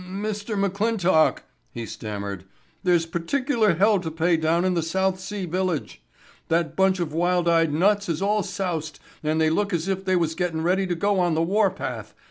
"Mr. McClintock," he stammered, "there's particular hell to pay down in the South Sea village. That bunch of wild eyed nuts is all soused and they look as if they was gettin' ready to go on the warpath.